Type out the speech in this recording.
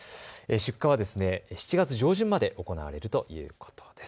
出荷は７月上旬まで行われるということです。